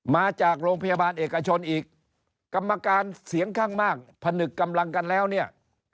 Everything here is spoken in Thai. มาจากโรงพยาบาลเอกชนอีกกรรมการเสียงข้างมากผนึกกำลังกันแล้วเนี่ย